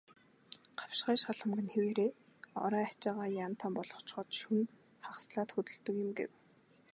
"Гавшгай шалмаг нь хэвээрээ, орой ачаагаа ян тан болгочхоод шөнө хагаслаад хөдөлдөг юм" гэв.